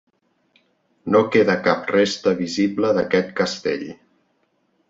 No queda cap resta visible d'aquest castell.